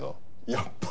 やっぱ。